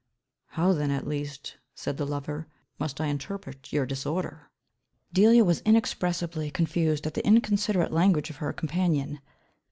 "How then at least," said the lover, "must I interpret your disorder?" Delia was inexpressibly confused at the inconsiderate language of her companion.